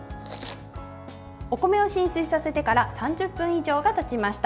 お米を浸水させてから３０分以上がたちました。